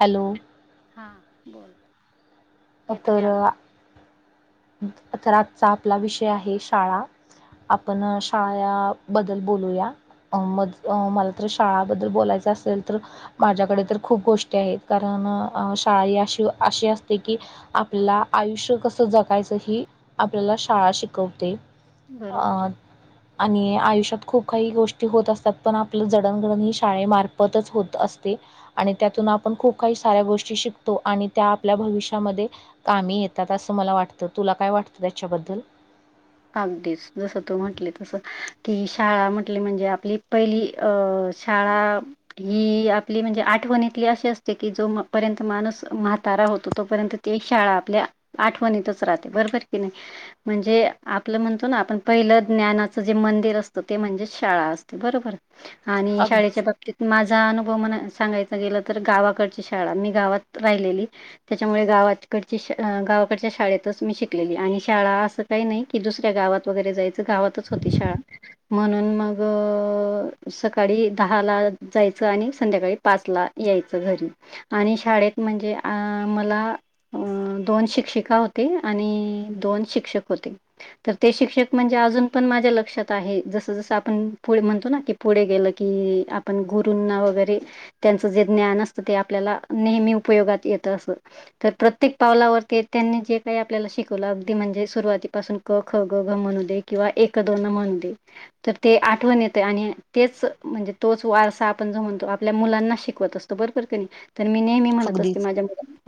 Hello! हा बोल येतोय तर आवाज तर आजचा आपला विषय आहे शाळा आपण शाळा बद्दल बोलूया मज मला तर शाळाबद्दल बोलायचं असेल तर माझ्याकडे तर खूप गोष्टी आहेत कारण शाळा अशी अशी असते कि आपल्या आयुष्य कस जगायचं ही आपल्याला शाळा शिकवते बरोबर आ आणि आयुष्यात खूप काही गोष्टी होत असतात पण आपलं जडणगडण ह शाळेमार्फतच होत असते आणि त्यातून आपण खूप काही साऱ्या गोष्टी शिकतो आणि त्या आपल्या भविष्यात का येतात अस मला वात तुला काय वाटतं त्याच्याबद्दल पाग दिस जसं तू म्हटले तस की शाळा म्हटली म्हणजे आपली पहिली अ छाळाा ही आपली म्हणजे आठवणीतली अशी असते की जो पर्यंत माणूस म्हातारा होतो तोपर्यंत तेी शाळा आपल्या आठवणीतच राहते बरोबर की नाही म्हणजे आपलं म्हणतो ना आपण पहिलं ज्ञानाचं जे मंदिर असतं ते म्हणजे शाळा असते बरोबर आणि शाळेच्या अगदीच बाबतीत माझा अनुभव म्हण सांगायचा गेलं तर गावाकडची शाळा मी गावात राहिलेली त्याच्यामुळे गावाकडची श गावाकडच्या शाळेतच मी शिकलेली आणि शाळा असं काही नाही की दुसऱ्या गावात वगैरे जायचं गावातच होती शाळा म्हणून मग सकाळी दहा ला जायचं आणि संध्याकाळी पाचला यायचं घरी आणि शाळेत म्हणजे अ मला अ दोन शिक्षिका होती आणि दोन शिक्षक होते तर ते शिक्षक म्हणजे अजून पण माझ्या लक्षात आहे जसं जसं आपण पुढे म्हणतो ना की पुढे गेलं की आपण गुरूंना वगैरे त्यांचं जे ज्ञान असतं ते आपल्याला नेहमी उपयोगात येतं असं तर प्रत्येक पावलावरती त्यांनी जे काय आपल्याला शिकवलं अगदी म्हणजे सुरुवाती पासून क ख ग घ म्हणू दे किंवा एक दोन म्हणू दे तर ते आठवण येते आणि तेच म्हणजे तोच वारसा आपण जो म्हणतो आपल्या मुलांना शिकवत असतो बरोबर कणी तर मी नेहमी म्हणत असते अगदीच माझ्या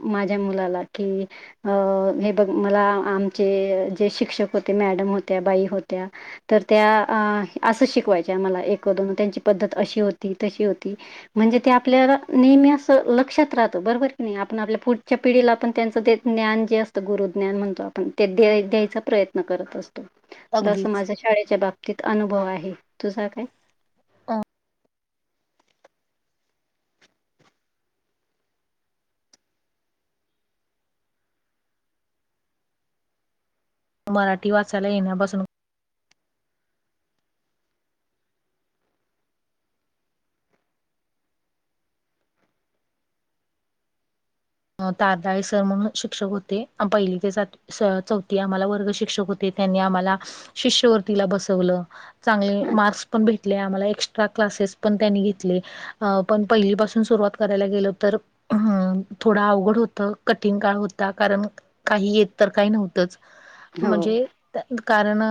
माझ्या मुलाला कि हे बघ मला आमचे जे शिक्षक होते मॅडम होत्या बाई होत्या तर त्या असं शिकवायच्या आम्हाला एक दोन त्यांची पद्धत अशी होती तशी होती म्हणजे ते आपल्याला नेहमी असं लक्षात राहत बरोबर की नाही आपण आपल्या पुढच्या पिढीला पण त्यांच ते ज्ञान जे असतं गुरुज्ञान म्हणतो आपण ते द्यायच प्रयत्न करत असतो अगदीच माझ शाळेच्या बाबतीत अनुभव आहे तुझा काय मराठी वाचायला येण्या बसून तारदाळी सर म्हणून शिक्षक होते पहिली ते सातवी चौथी आम्हाला वर्ग शिक्षक होते त्यांनी आम्हाला शिष्यवर्तीला बसवलं चांगले अच्छा मार्क्स पण भेटले आम्हाला एक्स्ट्रा क्लासेस पण त्यांनी घेतले अ पण पहिलीपासून सुरुवात करायला गेलो तर अ थोडं अवघड होतं कठीण काळ होता कारण काही येत तर काही नव्हतंच हो म्हणजे कारण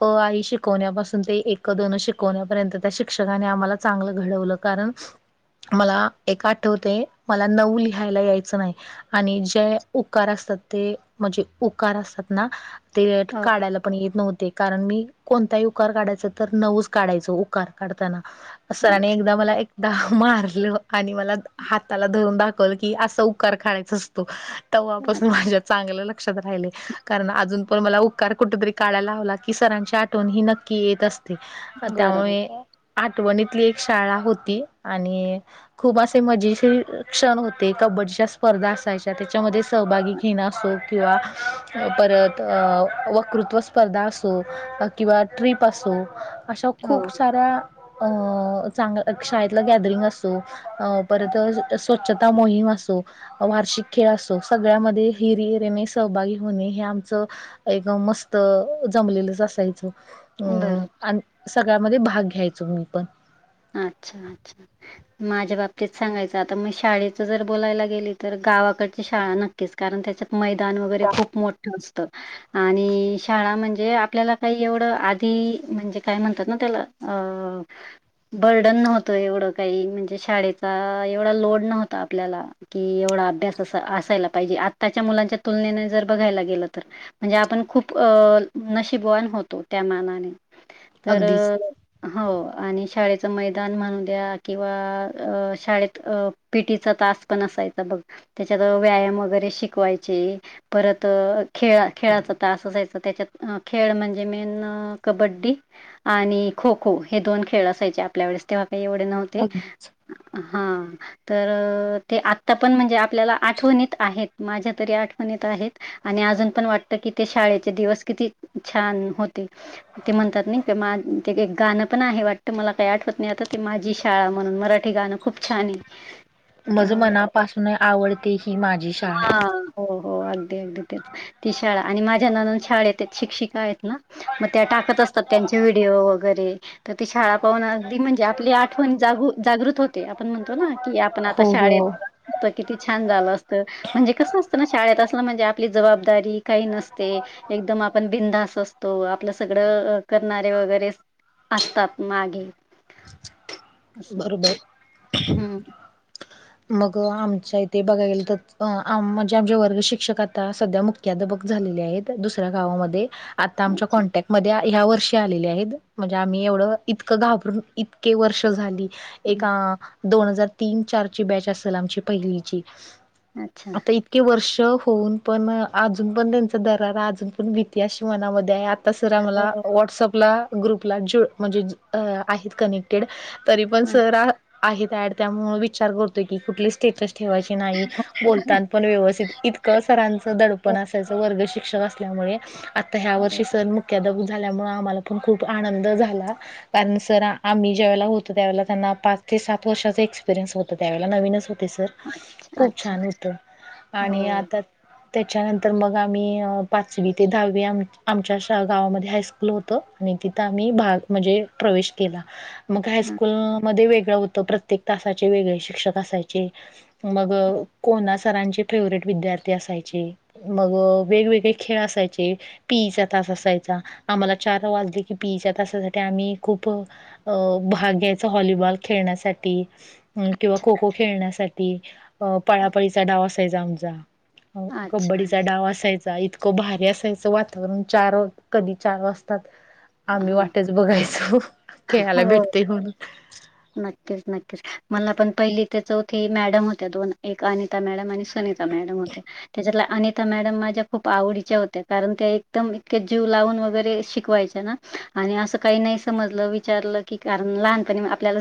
अ आई शिकवण्यापासून ते एक दोन शिकवण्यापर्यंत त्या शिक्षकाने आम्हाला चांगलं घडवलं कारण मला एक आठवते मला नऊ लिहायला यायच नाही आणि जे उकार असतात ते म्हणजे उकार असतात ना ते हो काढायला पण येत नव्हते कारण मी कोणताही उकार काढायच तर नऊच काढायचो उकार काढताना सराने अच्छा एकदा मला एकदा मारलं आणि मला हाताला धरून दाखवल की अस उकार खायच असतो ते्हापासून अच्छा माझ्या चांगलं लक्षात राहिले कारण अजून पण मला उपकार कुठेतरी काढायला लावला लकी सरांची आठवण ही नक्की येत असते ते बरोबर त्यामुळे आठवणीतली एक शाळा होती आणि खूप असे मजे शीर क्षण होते ते कबड्डीच्या स्पर्धा असायच्या त्याच्यामध्ये सहभागी घेणं असो किंवा परत वकृत्व स्पर्धा असो किंवा ट्रीप असो अशा खूप हो. साऱ्या अ चांगला शाळेतला गॅदरिंग असतो परत स्वच्छ स्वच्छता मोहीम असतो वार्षिक खेळ असतो सगळ्यामध्ये हिरहिरेने सहभागी होणे हे आमचं एक मस्त जमलेलंच असायचं अ बरोबर आणि सगळ्यामध्ये भाग घ्यायचो मी पण अच्छा अच्छा ह माझ्या बाबतीत सांगायचं आता मग शाळेचं जर बोलायला गेली तर गावाकडची शाळा नक्कीच कारण त्याच्या मैदान वगैरे खूप मोठं असतं आणि शाळा म्हणजे आपल्याला काही एवढं आधी म्हणजे काय म्हणतात ना त्याला अ बर्डन नव्हतं एवढं काही म्हणजे शाळेचा एवढा लोड नव्हता आपल्याला कि एवढा अभ्यास अस असायला पाहिजे आत्ताच्या मुलांच्या तुलनेने जर बघायला गेलं तर म्हणजे आपण खूप अ नशिबवान होतो त्या मानाने तर अगदीच हो आणि शाळेचं मैदान म्हणू द्या किंवा शाळेत अ पिटीचा तास पण असायचा बघ त्याच्यात व्यायाम वगैरे शिकवायचे परत खेळा खेळाच त अस जायचं त्याच्यात खेळ म्हणजे मेन कबड्डी आणि खो खो हे दोन खेळ असायचे आपल्या वेळेस तेव्हा काही एवढे नव्हते अगदीच हा तर ते आत्ता पण म्हणजे आपल्याला आठवणीत आहेत माझ्या तरी आठवणीत आहेत आणि अजून पण वाटत की ते शाळेचे दिवस किती छान होते ते म्हणतात नाही ते गाणं पण आहे वाटतं मला काही आठवत नाही आता ते माझी शाळा म्हणून मराठी गाणं खूप छान आहे मझ अ मनापासून आवडते ही माझी हा शाळा. हो हो अगदी अगदी तेच ती शाळा आणि माझ्या ननद शाळेत आहेत शिक्षिका आहेत ना मग त्या टाकत असतात त्यांचे व्हिडिओ वगैरे तर ती शाळा पाहून अगदी म्हणजे आपली आठवण जाग जागृत होते आपण म्हणतो ना कि आपण आता हो हो. शाळेत ता किती छान झालं असत म्हणजे कसं असतं ना शाळेत असलं म्हणजे आपली जबाबदारी काही नसते एकदम आपण बिधास असतो आपलं सगळं करणारे वगैरे असतात मागे [unintelligible] [inaudible] अस बरोबर. हम्म मग आमच्या इथे बघाय गेलं तर म्हणजे आमचे वर्ग शिक्षक आता सध्या मुक्त बक झालेली आहेत दुसऱ्या गावामध्ये आता आमच्या अच्छा कॉन्टॅक्ट मध्ये्या ह्या वर्षी आलेल्या आहेत म्हणजे आम्ही एवढं इतकं घाबरून इतके वर्ष झाली एक हं, दोन हजार तीन चार बॅच असेल आमची पहिली अच्छा आता की वर्ष होऊन पण अजून पण त्यांचा दरारा अजून पण भतीि अश मनामध्ये आहे आ तसरा आ मला हो व्हॉट्सअपला ग्रुपला ज म्हणजे आहेत कनेक्टेड तरी पण हा सर आहेत ऍड त्यामु विचार करतोय की कुठली स्टेटस ठेवायची नाही बोलत तानपण व्यवस्थित इतकं सरांचं दडपण असायचं वर्ग शिक्षक असल्यामुळे आत्ता ह्या अच्छा वर्षी सण मुख्याधप झाल्यामुळं आम्हाला पण खूप आनंद झाला. कारण सर आम्ही ज्यावेळेला होतो त्यावेळेला त्यांना पाच ते सात वर्षाचा एक्सपिरियन्स होत. त्यावेळेला नवीनच होते सर खूप अच्छा छान अच्छा. होतं आणि हो आता त्याच्यानंतर मग आम्ही पाचवी ते दहावी आम आमच्या गावामध्ये हायस्कूल होत आणि तिथं आम्ही भाग म्हणजे प्रवेश केला. मग हायस्कूल मध्ये वेगळं होतं प्रत्येक तासाचे वेगळे शिक्षक असायचे, मग कोणा सरांचे फेवर्हेट विद्यार्थी असायचे, मग वेगवेगळे खेळ असायचे, पीईचा तास असायचा आम्हाला चार वाजले की पीईच्या तासासाठी आम्ही खूप अ भाग्यायच व्हॉलीबॉल खेळण्यासाठी किंवा खो खो खेळण्यासाठी, अ पळापळीचा डाव असय आमचा अच्छा. कब्डीचा डाव असायचा इत भारी असायचं वातावरण चार कधी चार वाजतात, आम्ही वाटच बघायचो खेळायला हो, [inaudible] भेटते म्हणून नक्कीच-नक्कीच मला पण पहिली ते चौथी मॅडम होत्या दोन एक आणि ता मॅडम आणि सुनीिता मॅडम होत्या त्याच्याला अनिता मॅडम माझ्या खूप आवडीच्या होत्या कारण त्या एकदम इतक्या जीव लावून वगैरे शिकवायच्या ना आणि असं काही नाही समज विचारलं की कारण लहानपणी आपल्याला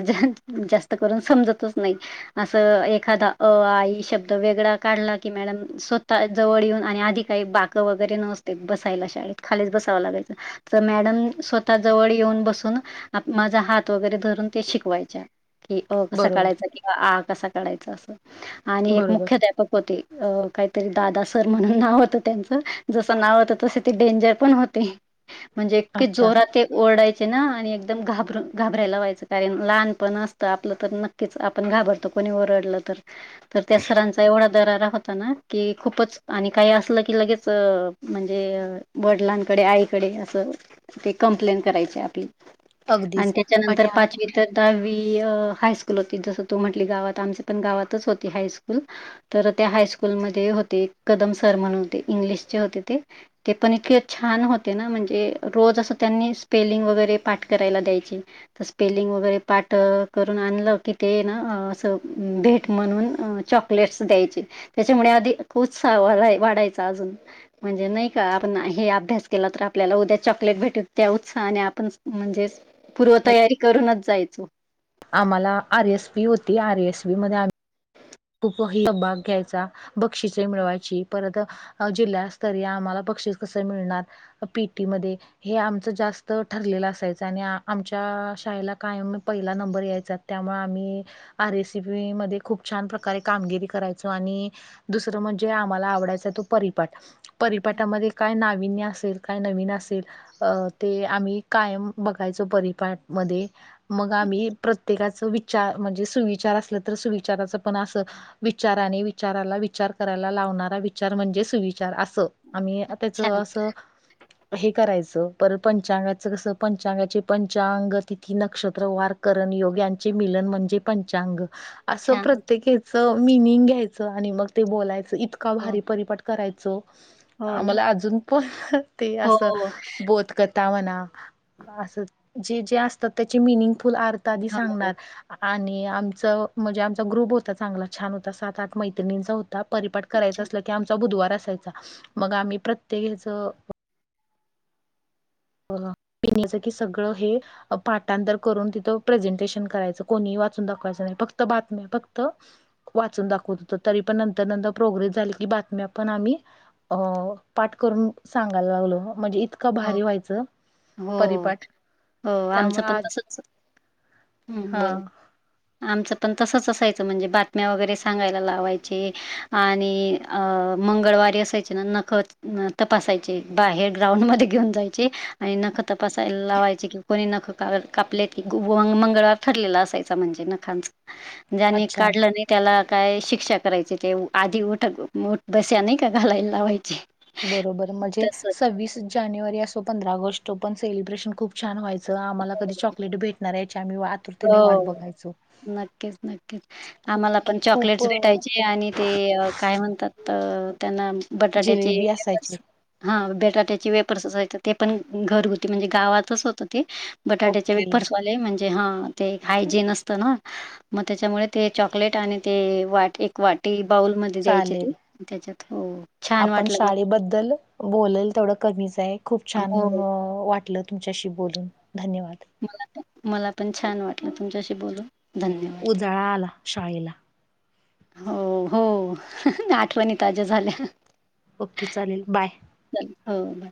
जास्त करून समजतच नाही असं एखादा अ आई शब्द वेगळा काढला की मॅडम स्वतः जवळ येऊन आणि आधी काही बाक वगैरे नसते बसायला शाळेत खालीच बसावं लागायचं. तर मॅडम स्वतः जवळ येऊन बसून माझा हात वगैरे धरून ते शिकवायच्या कि अ कसा बरोबर काळायच कसा कढायच अस, आणि एक बरोबर मुख काहीतरी दादा सर म्हणून नाव होतं त्यांच जस नाव होत तस ते डेंजर पण होते म्हणजे इे अच्छा जोरात ते ओरडायचे ना आणि एकदम घाबरून घाबरायला व्हायचं कारण लहान पण असतं आपलं तर नक्कीच आपण घाबरतो कोणी ओरडलं तर तर त्या सरांचा एवढा दरारा होता ना कि खूपच आणि काही असलं की लगेच म्हणजे वडिलांकडे आईकडे असं ते कंप्लेन करायचे आपली आणि अगदीच त्याच्यानंतर आणि पाचवी तर दहावी हायस्कूल होती जसं तू म्हटली गावात आमच्या पण गावातच होती हायस्कूल तर त्या हायस्कूलमध्ये होते कदम सर म्हणूनते इंग्लिशचे होते ते ते पण इतके छान होते ना म्हणजे रोज असं त्यांनी स्पेलिंग वगैरे पाठ करायला द्यायची. तर स्पेलिंग वगैरे पाठ करून आणलं की ते ना असं भेट म्हणून चॉक चॉकलेट्स द्यायची त्याच्यामुळे आधी खू वाढायचा अजून म्हणजे नाही का आपण हे अभ्यास केला तर आपल्याला उद्या चॉकलेट भेटू त्या उत्साह आणि आपण म्हणजेच पूर्वतयारी करूनच जायचो. आम्हाला आर एस पी होती आर ए एस बी मध्ये आ खूप ह भाग घ्यायचा बक्षिस मिळवायची परत जिल्हास्तरीय आम्हाला बक्षीस कस मिळणार पीटीमध्ये हे आमचं जास्त ठरलेलं असायचं आणि आमच्या शाळेला कायम पहिला नंबर यायचा त्यामुळे आम्ही आ रेसिपी मध्ये खूप छान प्र कामगिरी करायच आणि दुसरं म्हणजे आम्हाला आवडायच आहे तो परिपाठ. परिपाठामध्ये काय नाविन्य असेल काय नवीन असेल अ ते आम्ही कायम बघायचो परिपाठ मध्ये, मग आम्ही प्रत्येकाच विचार म्हणजे सुविचार असल तर सुविचाराच पण असं विचाराने विचाराला विचार करायला लावणारा विचार म्हणजे सुविचार असं आम्ही अच्छा त्याचं असं हे करायचं पर पंचांगाचं कस पंचांगाचे पंचांग तिथी नक्षत्र वार करण योग्यांचे मिलन म्हणजे पंचांग असं अच्छा प्रत्येकीच मिनिंग घ्यायचं आणि मग ते बोलायचं इतका भारी हो. परिपट करायचो हो ना. आम्हाला अजून पण ते हो अस हो बध कर व असे जे असतात त्याचे मिनिंगफुल आर् आ सांगणार आणि आमचं म्हणजे आमचा ग्रुप होता चांगला छान होता सात आठ मैत्रिणींचा होता परपाठ करायच अच्छा. अस की आमचा बुधवार असायचा मग आम्ही प्रत्येक हच अ पनचं की सगळं हे पाठांतर करून तिथं प्रेझेंटेशन करायचं कोणीही वाचून दाखवायचं नाही फक्त बातम्या फक्त वाचून दाखवत होतो तरी पण नंतर नंतर प्रोग्रेस झाली की बातम्या पण आम्ही अ पाठ करून सांगायला लागल म्हणजे इतका हो. भारी व्हायच हो परिपाठ हो आमचं त्यामुळे पण आज तसच हं हा बोल. आमचं पण तसंच असायचं म्हणजे बातम्या वगैरे सांगायला लावायचे आणि अ मंगळवारी असायचे ना नखत तपासायचे बाहेर ग्राउंडमध्येध्ये घेऊन जायचे आणि नख तपासायला लावायचे की कोणी नख कापले की मंगळवार थरलेला असायचा म्हणजे नखांच [inaudible] ज्यांनी काढलं नाही त्याला काय शिक्षा करायची ते आधी उठठ बस्याने का घालायला लावायचे बरोबर म्हणजे तसंच सव्वीस जानेवारी असो पंधरा ऑगस्टो पण सेलिब्रेशन खूप छान हायचं आम्हाला की चकट भेटणार याची आम्ही वा हो आतुरतेने वाट बघायचो. नक्कीच नक्कीच आम्हाला पण खूप चॉकलेट्स अ, भेटायची आणि ते काय म्हणतात त्यांना बटाट्याचे जिलेबी असायची हा बेटाट्याची वेपर्सय ते पण घरगुती म्हणजे गावातच होत ते बटाट्याचे ओके वेपर्सवाले म्हणजे हा ते एक हायजीन असतं ना मग त्याच्यामुळे ते चॉकलेट आणि ते वाट एक वाटी बाउलमध्येध्ये द्यायचे ते चालेल त्याच्यात हो छान आपण वाटलं मला. शाळेबद्दल बोलेल तेवढं कमीच आहे खूप छान हो. वाटलं तुमच्याशी बोलून धन्यवाद मला पण छान वाटलं तुमच्याशी बोलून. धन्यवाद? जळा आला शाळेला हो हो आठवणी ताज्या झाल्या ओके चालेल बाय चा हो बार